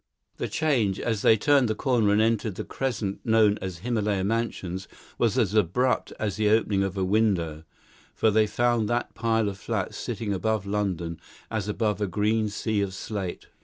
The change, as they turned the corner and entered the crescent known as Himylaya Mansions, was as abrupt as the opening of a window; for they found that pile of flats sitting above London as above a green sea of slate.